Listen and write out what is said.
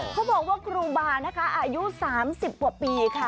เขาบอกว่าครูบาอายุสามสิบกว่าปีค่ะ